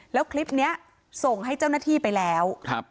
แล้วคลิปนี้ส่งให้เจ้าหน้าที่ไปแล้ว